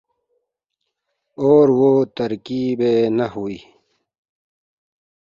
اور وہ ترکیب نحوی